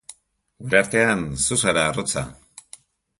Gure artean zu zara arrotza.